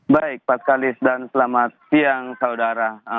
baik pak kalis dan selamat siang saudara